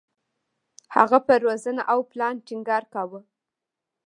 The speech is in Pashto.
هغه پر روزنه او پلان ټینګار کاوه.